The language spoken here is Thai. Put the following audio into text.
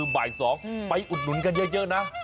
บ่าย๒ไปอุดหนุนกันเยอะนะ